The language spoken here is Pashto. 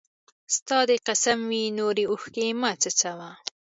ستا! دي قسم وي نوري اوښکي مه څڅوه